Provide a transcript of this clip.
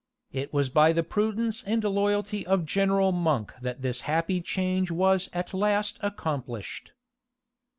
It was by the prudence and loyalty of General Monk that this happy change was at last accomplished.